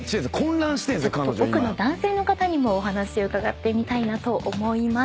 ちょっと奥の男性の方にもお話伺ってみたいなと思います。